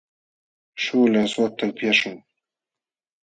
śhuula aswakta upyaśhun.